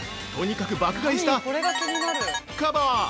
とにかく爆買いした○○カバー。